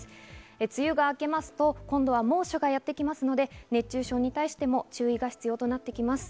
梅雨が明けますと今度は猛暑がやってきますので、熱中症に対しても注意が必要となってきます。